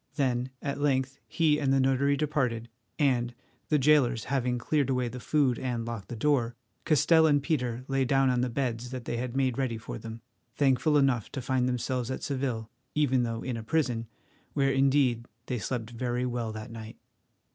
Then at length he and the notary departed, and, the jailers having cleared away the food and locked the door, Castell and Peter lay down on the beds that they had made ready for them, thankful enough to find themselves at Seville, even though in a prison, where indeed they slept very well that night.